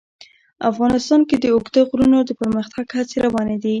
افغانستان کې د اوږده غرونه د پرمختګ هڅې روانې دي.